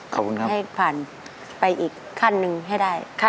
ขอบคุณครับให้ผ่านไปอีกขั้นหนึ่งให้ได้